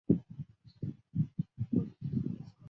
汉武帝使用元光这个年号一共六年。